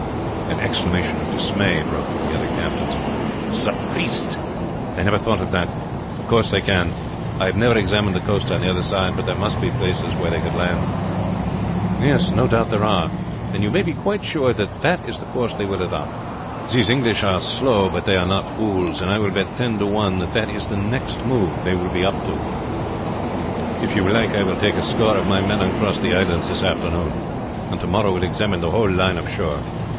An exclamation of dismay broke from the other captains. "Sapriste! I never thought of that. Of course they can. I have never examined the coast on the other side, but there must be places where they could land." "No doubt there are; and you may be quite sure that is the course they will adopt. These English are slow, but they are not fools; and I will bet ten to one that is the next move they will be up to. If you like I will take a score of my men and cross the island this afternoon, and to morrow will examine the whole line of shore.